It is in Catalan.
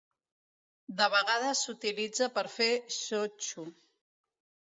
De vegades s'utilitza per fer shochu.